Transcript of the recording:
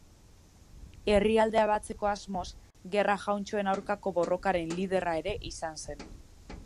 Herrialdea batzeko asmoz, gerra-jauntxoen aurkako borrokaren liderra ere izan zen.